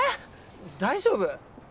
大丈夫？